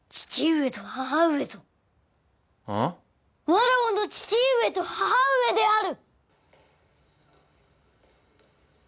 わらわの父上と母上である！